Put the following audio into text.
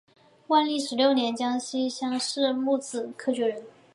万历十六年江西乡试戊子科举人。